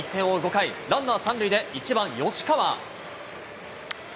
５回、ランナー３塁で１番吉川。